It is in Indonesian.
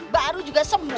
baru juga sembun